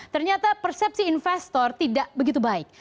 ternyata persepsi investor tidak begitu baik